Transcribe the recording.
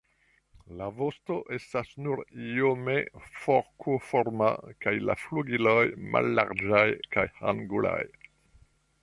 La vosto estas nur iome forkoforma kaj la flugiloj mallarĝaj kaj angulaj.